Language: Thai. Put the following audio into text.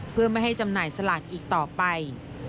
เพื่อไม่ให้จำหน่ายสลากอีกต่อไป